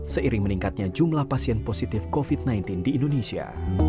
seiring meningkatnya jumlah pasien positif covid sembilan belas di indonesia